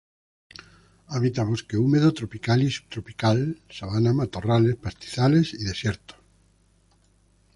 Habita bosque húmedo tropical y subtropical, sabana, matorrales, pastizales y desierto.